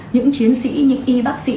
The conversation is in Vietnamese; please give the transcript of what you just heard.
những chiến sĩ những y bác sĩ